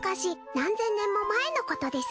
何千年も前のことです。